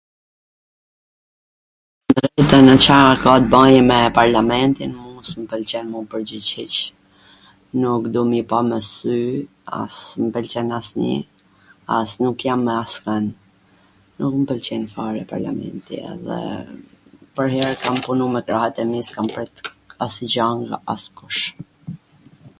nw Ca ka t baj me parlamentin, mu s mw pwlqen m'u pwrgjigj hiC, nuk du m' i pa me sy, as mw pwlqen asnji, as nuk jam me askwnd, nuk mw pwlqen fare parlamenti dhe pwrher kam punu me krahwt e mi s'kam prit asnjw gja nga askush.